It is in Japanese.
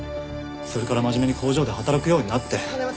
それから真面目に工場で働くようになって。